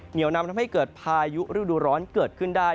เหนียวนำทำให้เกิดพายุฤดูร้อนเกิดขึ้นได้